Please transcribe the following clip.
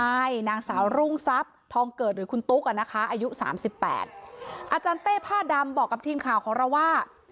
ใช่นางสาวรุ่งทรัพย์ทองเกิดหรือคุณตุ๊กอ่ะนะคะอายุ๓๘อาจารย์เต้ผ้าดำบอกกับทีมข่าวของเราว่า